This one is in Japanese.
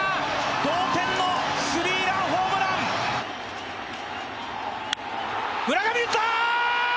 同点のスリーランホームラン村上打ったー！